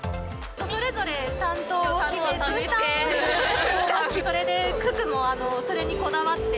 それぞれ担当を決めて。